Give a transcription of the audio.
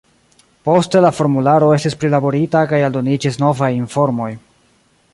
Poste la formularo estis prilaborita kaj aldoniĝis novaj informoj.